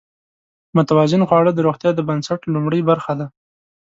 متوازن خواړه د روغتیا د بنسټ لومړۍ برخه ده.